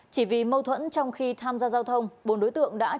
chỉ vì mâu thuẫn trong khi tham gia giao thông